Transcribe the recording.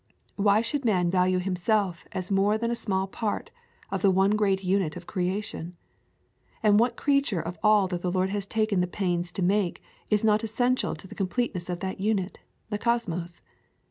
Why should man value himself as more than a small part of the one great unit of creation? And what creature of all that the Lord has taken the pains to make is not essential to the com pleteness of that unit — the cosmos?